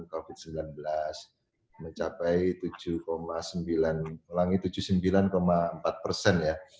covid sembilan belas mencapai tujuh sembilan ulangi tujuh puluh sembilan empat persen ya